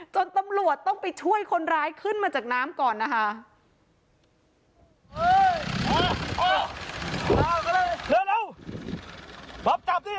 ตำรวจต้องไปช่วยคนร้ายขึ้นมาจากน้ำก่อนนะคะ